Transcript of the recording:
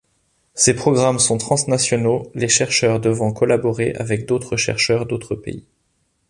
Ces programmes sont transnationaux, les chercheurs devant collaborer avec d'autres chercheurs d'autres pays.